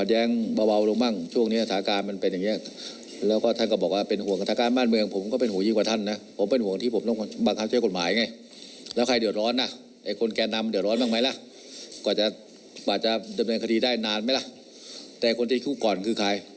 อย่าเขาพาไปโน้นหมานี่นะ